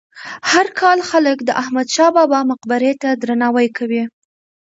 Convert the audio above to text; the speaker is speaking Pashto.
هر کال خلک د احمد شاه بابا مقبرې ته درناوی کوي.